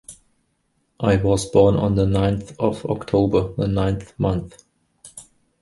I was born on the ninth of October, the ninth month.